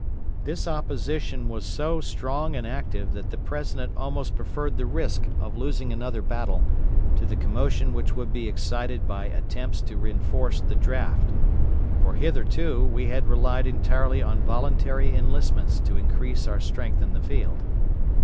This opposition was so strong and active that the President almost preferred the risk of losing another battle to the commotion which would be excited by attempts to enforce the draft; for hitherto we had relied entirely on voluntary enlistments to increase our strength in the field.